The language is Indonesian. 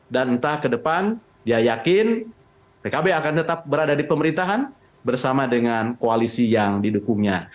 dan entah ke depan dia yakin pkb akan tetap berada di pemerintahan bersama dengan koalisi yang didukungnya